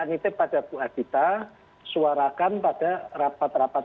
nitip pada bu adita suarakan pada rapat rapat